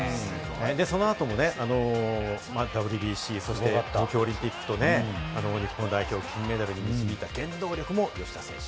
そのあともね、ＷＢＣ、そして東京オリンピックとね、日本代表を金メダルに導いた原動力も吉田選手。